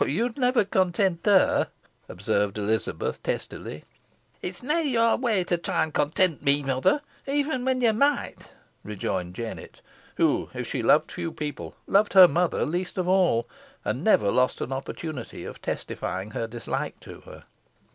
"Poh poh yo'd never content her," observed Elizabeth, testily. "It's nah your way to try an content me, mother, even whon ye might," rejoined Jennet, who, if she loved few people, loved her mother least of all, and never lost an opportunity of testifying her dislike to her.